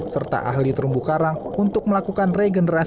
serta ahli terumbu karang untuk melakukan regenerasi dan penyelidikan